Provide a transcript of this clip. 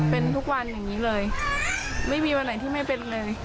เป็นทุกวันอย่างนี้เลยไม่มีวันไหนที่ไม่เป็นเลย